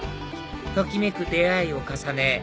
ときめく出会いを重ね